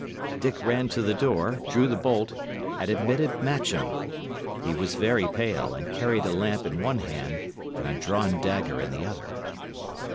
Dick ran to the door, drew the bolt, and admitted Matcham. He was very pale, and carried a lamp in one hand and a drawn dagger in the other.